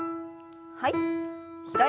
はい。